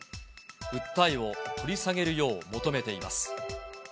訴えを取り下げるよう求めています。